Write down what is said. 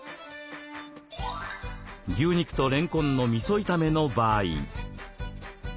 牛肉とれんこんのみそ炒めの場合。